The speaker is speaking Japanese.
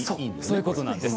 そういうことです。